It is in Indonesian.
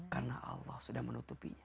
karena allah sudah menutupinya